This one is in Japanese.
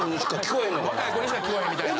若い子にしか聞こえへんのかな。